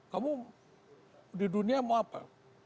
kamu di dunia mau apa